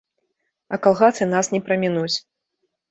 А калгасы нас не прамінуць.